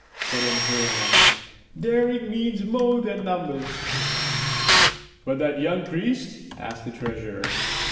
put in Hiram. "Daring means more than numbers." "But that young priest?" asked the treasurer.